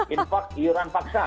infak iuran paksa